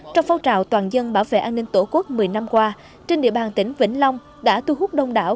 trong phong trào toàn dân bảo vệ an ninh tổ quốc một mươi năm qua trên địa bàn tỉnh vĩnh long đã thu hút đông đảo